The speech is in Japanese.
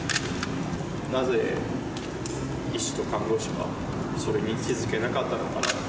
なぜ医師と看護師は、それに気付けなかったのかなって。